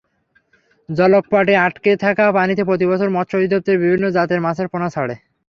জলকপাটে আটকে থাকা পানিতে প্রতিবছর মৎস্য অধিদপ্তর বিভিন্ন জাতের মাছের পোনা ছাড়ে।